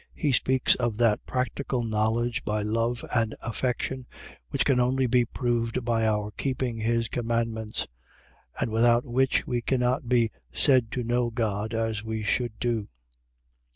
. .He speaks of that practical knowledge by love and affection, which can only be proved by our keeping his commandments; and without which we can not be said to know God as we should do.